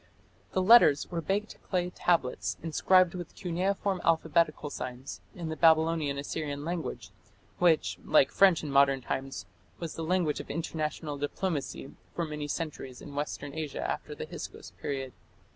The "letters" were baked clay tablets inscribed with cuneiform alphabetical signs in the Babylonian Assyrian language, which, like French in modern times, was the language of international diplomacy for many centuries in Western Asia after the Hyksos period.